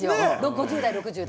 ５０代、６０代。